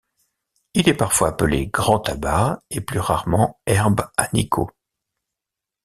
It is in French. Il est parfois appelé grand tabac et plus rarement herbe à Nicot.